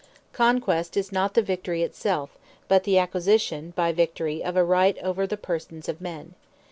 Conquest, is not the Victory it self; but the Acquisition by Victory, of a Right, over the persons of men.